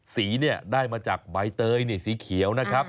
สีเนี่ยได้มาจากใบเตยสีเขียวนะครับ